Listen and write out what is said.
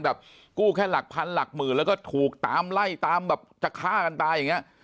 กู้แค่หลักพันหลักหมื่นแล้วก็ถูกตามไล่ตามแบบจะฆ่ากันตายอย่างนี้